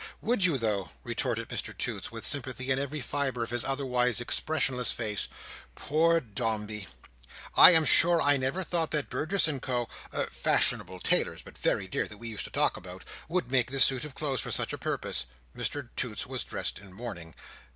"Would you, though?" retorted Mr Toots, with sympathy in every fibre of his otherwise expressionless face. "Poor Dombey! I'm sure I never thought that Burgess and Co.—fashionable tailors (but very dear), that we used to talk about—would make this suit of clothes for such a purpose." Mr Toots was dressed in mourning.